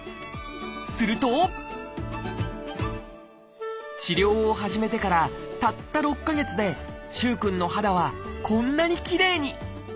すると治療を始めてからたった６か月で萩くんの肌はこんなにきれいに。